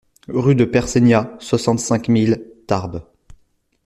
Rue de Perseigna, soixante-cinq mille Tarbes